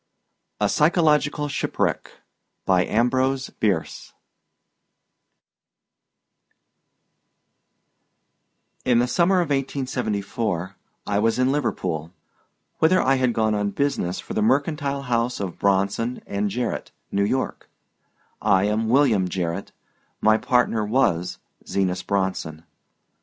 A PSYCHOLOGICAL SHIPWRECK IN the summer of 1874 I was in Liverpool, whither I had gone on business for the mercantile house of Bronson & Jarrett, New York. I am William Jarrett; my partner was Zenas Bronson.